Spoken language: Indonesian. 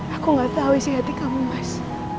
aku gak tahu isi hati kamu mas